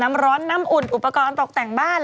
น้ำร้อนน้ำอุ่นอุปกรณ์ตกแต่งบ้าน